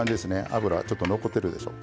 脂ちょっと残ってるでしょ。